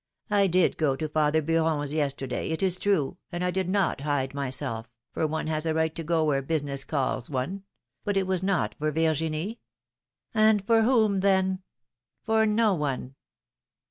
I did go to father Beuron's yesterday, it is true, and I did not hide myself, for one has a right to go where business calls one — but it was not for Virginie." "And for whom, then?" "For no one!"